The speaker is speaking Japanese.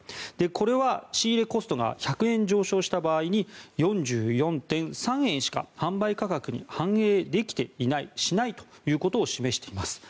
これは仕入れコストが１００円上昇した場合に４４．３円しか販売価格に反映されていないしないということを示しています。